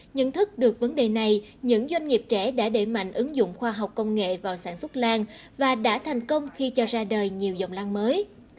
nhận thức được vấn đề này những doanh nghiệp trẻ đã đẩy mạnh ứng dụng khoa học công nghệ vào sản xuất lan và đã thành công khi cho ra đời nhiều dòng lan mới